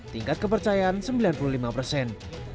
tingkat kepercayaan sembilan puluh lima persen